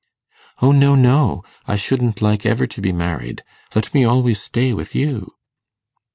'O no, no! I shouldn't like ever to be married. Let me always stay with you!